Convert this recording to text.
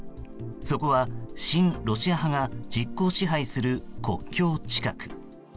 そこは、親ロシア派が実効支配する国境近く。